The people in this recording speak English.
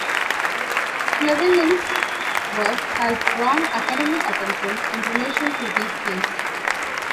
Flewelling's works have drawn academic attention in relation to these themes.